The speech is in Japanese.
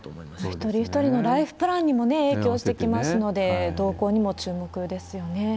一人一人のライフプランにもね、影響してきますので、動向にも注目ですよね。